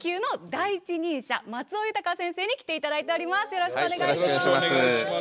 よろしくお願いします。